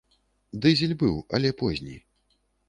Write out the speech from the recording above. Дызель быў, але позні.